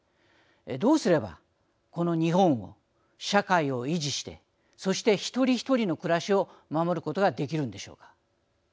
どうすればこの日本を社会を維持してそして一人一人の暮らしを守ることができるんでしょうか。